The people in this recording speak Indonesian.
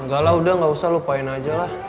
enggak lah udah gak usah lupain aja lah